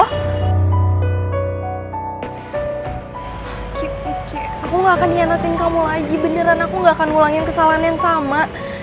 aku gak akan hianatin kamu lagi beneran aku gak akan ulangin kesalahan yang sama